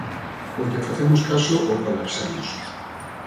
Ou lle facemos caso ou colapsamos.